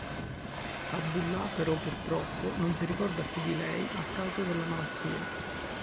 Abdullah, però, purtroppo non si ricorda più di lei a causa della malattia.